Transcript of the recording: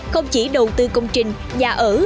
không chỉ đầu tư công trình nhà ở